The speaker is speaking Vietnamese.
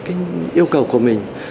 đáp ứng được cái yêu cầu của mình